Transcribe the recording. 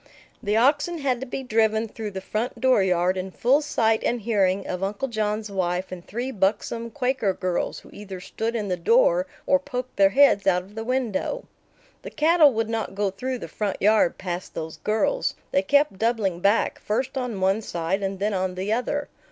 The oxen had to be driven through the front dooryard in full sight and hearing of Uncle John's wife and three buxom Quaker girls, who either stood in the door or poked their heads out of the window. The cattle would not go through the front yard past those girls. They kept doubling back, first on one side and then on the other.